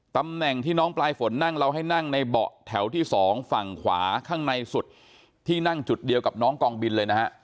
ตำแหน่งที่น้องปลายฝนนั่งเราให้นั่งในเบาะแถวที่สองฝั่งขวาข้างในสุดที่นั่งจุดเดียวกับน้องกองบินเลยนะฮะ